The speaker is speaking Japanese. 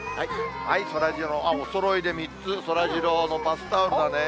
そらジロー、あっ、おそろいで３つ、そらジローのバスタオルだね。